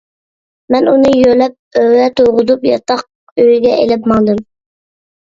مەن ئۇنى يۆلەپ ئۆرە تۇرغۇزۇپ ياتاق ئۆيىگە ئېلىپ ماڭدىم.